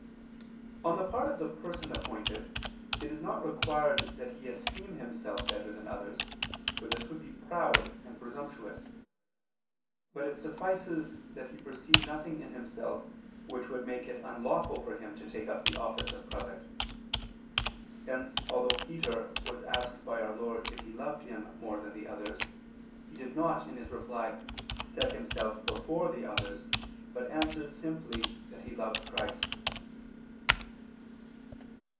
On the part of the person appointed, it is not required that he esteem himself better than others, for this would be proud and presumptuous; but it suffices that he perceive nothing in himself which would make it unlawful for him to take up the office of prelate. Hence although Peter was asked by our Lord if he loved Him more than the others, he did not, in his reply, set himself before the others, but answered simply that he loved Christ.